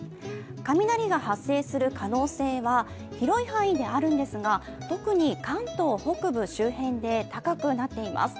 雷が発生する可能性は広い範囲であるんですが、特に関東北部周辺で高くなっています。